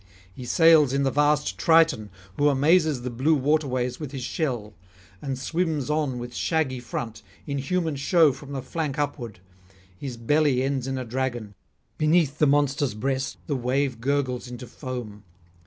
He sails in the vast Triton, who amazes the blue waterways with his shell, and swims on with shaggy front, in human show from the flank upward; his belly ends in a dragon; beneath the monster's breast the wave gurgles into foam.